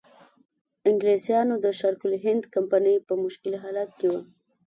انګلیسانو د شرق الهند کمپنۍ په مشکل حالت کې وه.